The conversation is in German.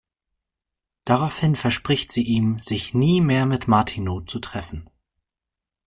Daraufhin verspricht sie ihm, sich nie mehr mit Martineau zu treffen.